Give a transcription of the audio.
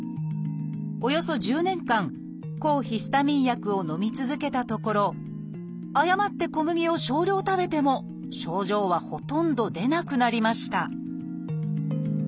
およそ１０年間抗ヒスタミン薬をのみ続けたところ誤って小麦を少量食べても症状はほとんど出なくなりました